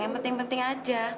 yang penting penting aja